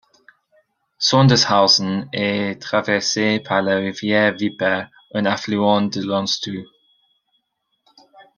Sondershausen est traversée par la rivière Wipper, un affluent de l'Unstrut.